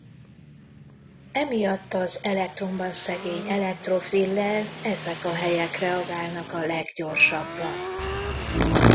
Emiatt az elektronban szegény elektrofillel ezek a helyek reagálnak a leggyorsabban.